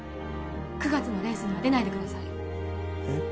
９月のレースには出ないでくださいえっ？